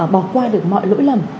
bỏ qua được mọi lỗi lầm